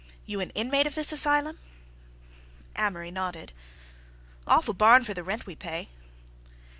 "You an inmate of this asylum?" Amory nodded. "Awful barn for the rent we pay."